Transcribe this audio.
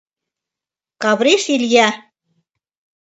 Кавриш Иля!..